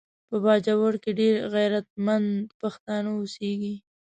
په باجوړ کې ډیر غیرتمند پښتانه اوسیږي